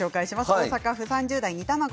大阪府３０代の方。